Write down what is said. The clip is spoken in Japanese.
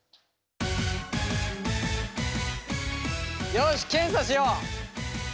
よし検査しよう！